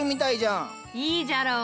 いいじゃろう？